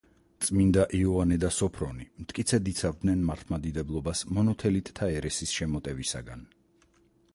წმინდა იოანე და სოფრონი მტკიცედ იცავდნენ მართლმადიდებლობას მონოთელიტთა ერესის შემოტევისაგან.